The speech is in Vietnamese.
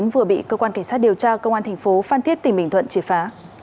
vừa bị cơ quan cảnh sát điều tra công an thành phố phan thiết tỉnh bình thuận triệt phá